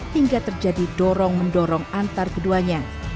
hingga terjadi dorong mendorong antar keduanya